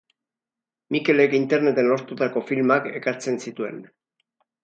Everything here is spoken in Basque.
Mikelek interneten lortutako filmak ekartzen zituen.